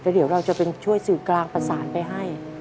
เดี๋ยวเราจะเป็นช่วยสื่อกลางประสานไปให้